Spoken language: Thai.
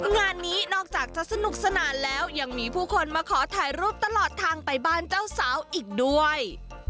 งานนี้นอกจากจะสนุกสนานแล้วยังมีผู้คนมาขอถ่ายรูปตลอดทางไปบ้านเจ้าสาวอีกด้วย